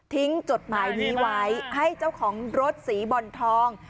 จดหมายนี้ไว้ให้เจ้าของรถสีบ่อนทอง